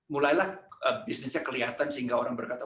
mulailah bisnisnya kelihatan sehingga orang berkata